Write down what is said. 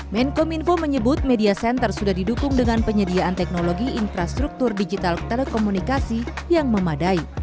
menkom info menyebut media center sudah didukung dengan penyediaan teknologi infrastruktur digital telekomunikasi yang memadai